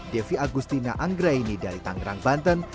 devi agustina anggraini dari tangerang banten